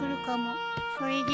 それじゃ。